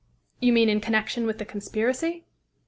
"You mean in connection with the conspiracy?"